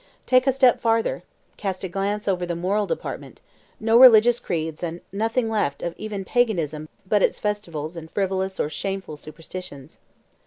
Take a step farther; cast a glance over the moral department; no religious creeds and nothing left of even Paganism but its festivals and frivolous or shameful superstitions.